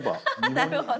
なるほど。